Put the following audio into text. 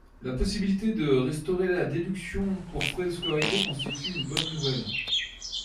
La possibilité de restaurer la déduction pour frais de scolarité constitue une bonne nouvelle.